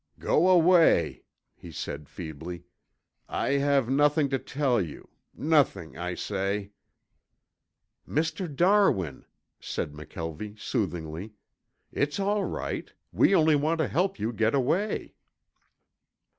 "Go away," he said feebly. "I have nothing to tell you. Nothing, I say." "Mr. Darwin," said McKelvie soothingly, "it's all right. We only want to help you get away."